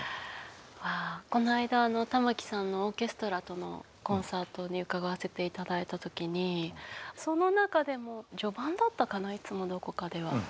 こないだ玉置さんのオーケストラとのコンサートに伺わせて頂いた時にその中でも序盤だったかな「いつもどこかで」は。